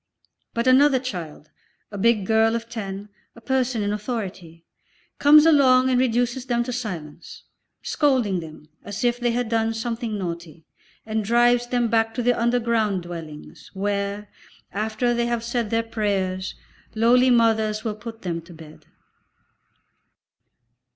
But another child, a big girl of ten, a person in authority, comes along and reduces them to silence, scolding them as if they had done something naughty, and drives them back to the underground dwellings, where, after they have said their prayers, lowly mothers will put them to bed.